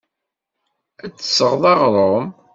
Ad d-tesɣeḍ aɣrum.